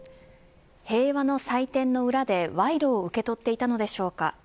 平和の祭典の裏で賄賂を受け取っていたのでしょうか。